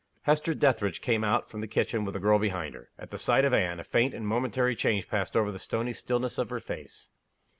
Hester Dethridge came out from the kitchen with the girl behind her. At the sight of Anne, a faint and momentary change passed over the stony stillness of her face.